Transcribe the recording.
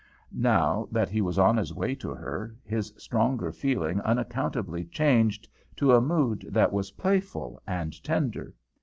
Now that he was on his way to her, his stronger feeling unaccountably changed to a mood that was playful and tender.